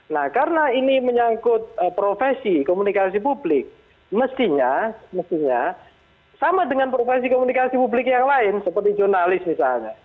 nah karena ini menyangkut profesi komunikasi publik mestinya mestinya sama dengan profesi komunikasi publik yang lain seperti jurnalis misalnya